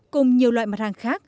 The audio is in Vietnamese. cùng nhiều loại mặt hàng khác